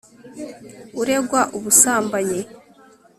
uregwa ubusambanyi